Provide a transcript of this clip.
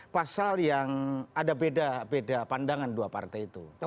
pasal yang ada beda pandangan dua partai itu